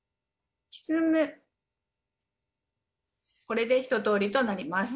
これで一とおりとなります。